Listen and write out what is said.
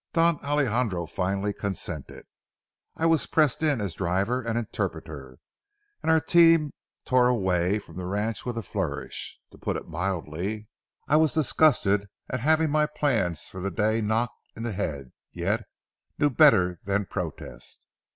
Don Alejandro finally consented. I was pressed in as driver and interpreter, and our team tore away from the ranch with a flourish. To put it mildly, I was disgusted at having my plans for the day knocked in the head, yet knew better than protest.